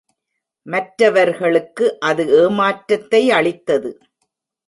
மற்றவர்களுக்கு அது ஏமாற்றத்தை அளித்தது.